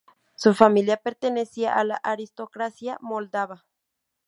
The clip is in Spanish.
Su familia pertenecía a la aristocracia moldava.